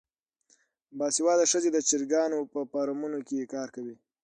باسواده ښځې د چرګانو په فارمونو کې کار کوي.